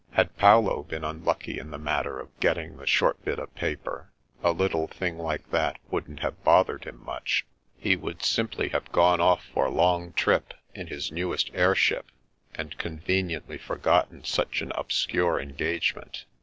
Had Paolo been unlucky in the matter of get ting the short bit of paper, a little thing like Uiat wouldn't have bothered him much. He would simply have gone off for a long trip in his newest air ship, and conveniently forgotten such an obscure engagement.